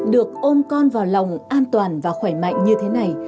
được ôm con vào lòng an toàn và khỏe mạnh như thế này